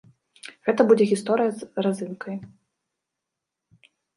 Гэта будзе гісторыя з разынкай.